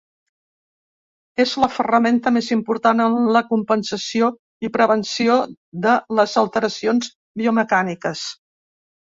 És la ferramenta més important en la compensació i prevenció de les alteracions biomecàniques.